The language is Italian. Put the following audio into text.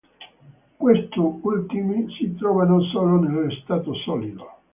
Questi ultimi si trovano solo nel stato solido.